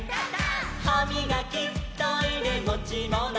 「はみがきトイレもちもの」「」